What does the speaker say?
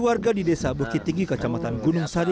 warga di desa bukit tinggi kecamatan gunung sari